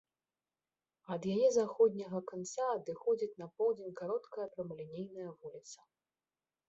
Ад яе заходняга канца адыходзіць на поўдзень кароткая прамалінейная вуліца.